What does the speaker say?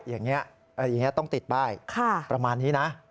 อย่างนี้ต้องติดป้ายประมาณนี้นะ